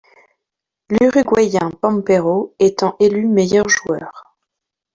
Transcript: L'uruguayen Pampero étant élu meilleur joueur.